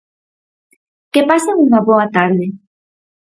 Que pasen unha boa tarde.